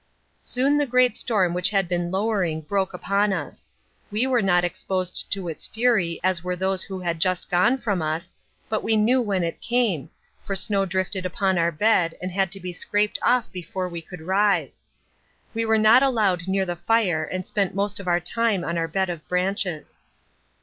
Soon the great storm which had been lowering broke upon us. We were not exposed to its fury as were those who had just gone from us, but we knew when it came, for snow drifted down upon our bed and had to be scraped off before we could rise. We were not allowed near the fire and spent most of our time on our bed of branches.